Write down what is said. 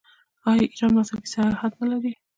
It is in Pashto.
آیا ایران مذهبي سیاحت نلري؟